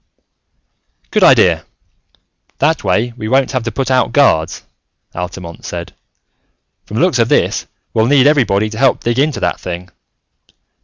"Good idea. That way, we won't have to put out guards," Altamont said. "From the looks of this, we'll need every body to help dig into that thing.